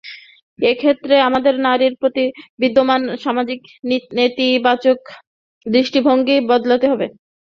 এ ক্ষেত্রে আমাদের নারীর প্রতি বিদ্যমান সামাজিক নেতিবাচক দৃষ্টিভঙ্গি বদলাতে হবে।